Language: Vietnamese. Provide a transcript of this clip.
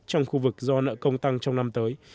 trong khu vực do nợ công tăng trong năm tới